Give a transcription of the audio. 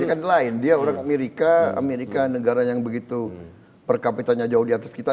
ini kan lain dia orang amerika amerika negara yang begitu per kapitanya jauh di atas kita